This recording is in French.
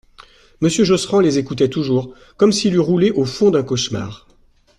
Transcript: Monsieur Josserand les écoutait toujours, comme s'il eût roulé au fond d'un cauchemar.